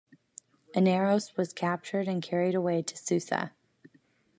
Inaros was captured and carried away to Susa.